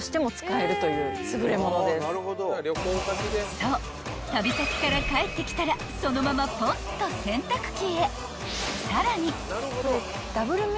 ［そう旅先から帰ってきたらそのままポンと洗濯機へ］